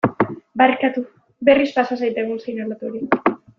Barkatu, berriz pasa zait egun seinalatu hori.